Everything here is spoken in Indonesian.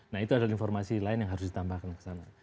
nah itu adalah informasi lain yang harus ditambahkan ke sana